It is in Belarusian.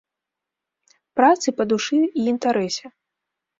Працы па душы і інтарэсе!